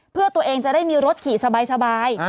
เพื่อตัวเองจะได้มีรถขี่สบาย